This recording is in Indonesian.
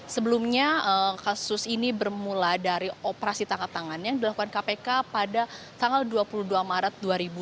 sebelumnya kasus ini bermula dari operasi tangkap tangan yang dilakukan kpk pada tanggal dua puluh dua maret dua ribu dua puluh